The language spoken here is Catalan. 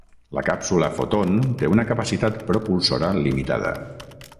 La càpsula Foton té una capacitat propulsora limitada.